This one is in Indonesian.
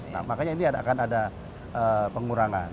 nah makanya ini akan ada pengurangan